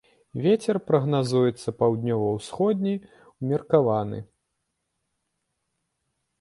Вецер прагназуецца паўднёва-ўсходні ўмеркаваны.